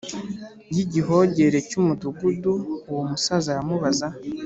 Y igihogere cy umudugudu uwo musaza aramubaza